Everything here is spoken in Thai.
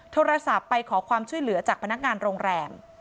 โทรศัพท์ไปขอความช่วยเหลือจากพนักงานโรงแรม